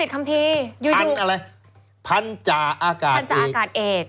คัมภีร์ยืดยุเอินอะไรพันจาอากาศเอกพันต์จากอากาศเอก